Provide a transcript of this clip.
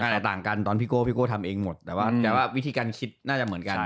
อาจจะต่างกันตอนพี่โก้พี่โก้ทำเองหมดแต่ว่าวิธีการคิดน่าจะเหมือนกัน